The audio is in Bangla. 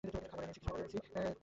কিছু খাবার এনেছি!